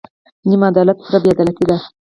نیم عدالت پوره بې عدالتي ده.